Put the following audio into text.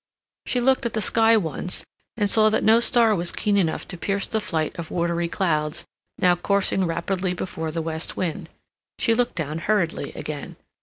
She looked at the sky once, and saw that no star was keen enough to pierce the flight of watery clouds now coursing rapidly before the west wind. She looked down hurriedly again.